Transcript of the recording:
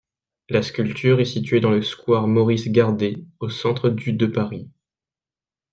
La sculpture est située dans le square Maurice-Gardette, au centre du de Paris.